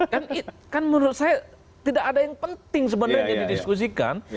kan menurut saya tidak ada yang penting sebenarnya didiskusikan